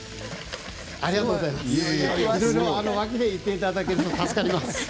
ありがとうございます。